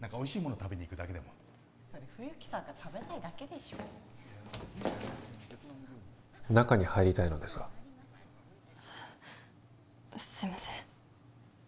食べに行くだけでもそれ冬木さんが食べたいだけでしょ中に入りたいのですがすいません